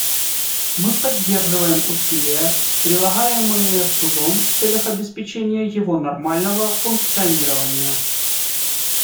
Мы поддерживаем усилия, прилагаемые Судом в целях обеспечения его нормального функционирования.